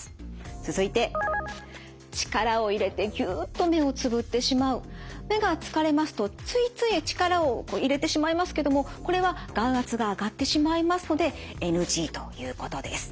続いて力を入れて目が疲れますとついつい力を入れてしまいますけどもこれは眼圧が上がってしまいますのでＮＧということです。